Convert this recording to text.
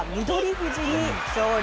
富士に勝利。